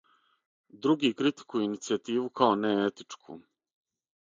Други критикују иницијативу као неетичку.